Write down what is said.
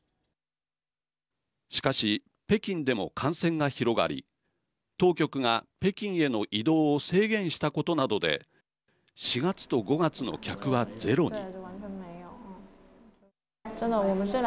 しかし、北京でも感染が広がり当局が、北京への移動を制限したことなどで４月と５月の客はゼロに。